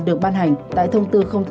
được ban hành tại thông tư tám